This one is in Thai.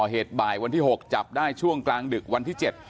เหตุบ่ายวันที่๖จับได้ช่วงกลางดึกวันที่๗